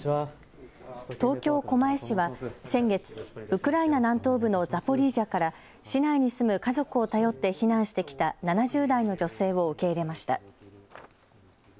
東京・狛江市は先月、ウクライナ南東部のザポリージャから市内に住む家族を頼って避難してきた７０代の女性を受け入れました。